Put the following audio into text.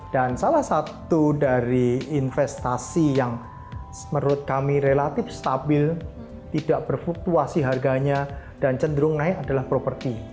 dan salah satu dari investasi yang menurut kami relatif stabil tidak berfutuasi harganya dan cenderung naik adalah properti